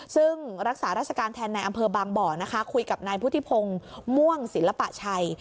ซึ่งรักษาราชการแทนในอำเภอบางบ่อนะคะคุยกับนายพุทธิพงศ์ม่วงศิลปะชัย